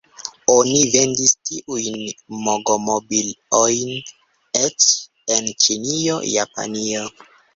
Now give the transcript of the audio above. Oni vendis tiujn Magomobil-ojn eĉ en Ĉinio, Japanio.